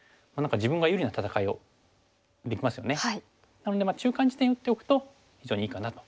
なので中間地点に打っておくと非常にいいかなと。